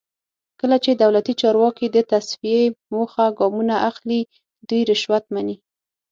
کله چې دولتي چارواکي د تصفیې په موخه ګامونه اخلي دوی رشوت مني.